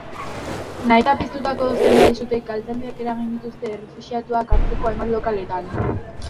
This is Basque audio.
Nahita piztutako zenbait sutek kalte handiak eragin dituzte errefuxiatuak hartzeko hainbat lokaletan.